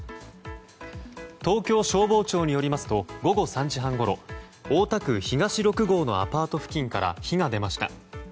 東京消防庁によりますと午後３時半ごろ大田区東六郷のアパート付近から火が出ました。